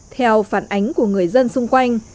theo phản ánh của người dân xung quanh